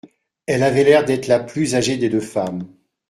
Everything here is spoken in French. Elle avait l’air d’être la plus âgée des deux femmes